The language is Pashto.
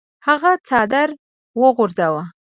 هغه څادر وغورځاوه.